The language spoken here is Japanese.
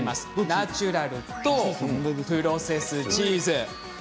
ナチュラルチーズとプロセスチーズ。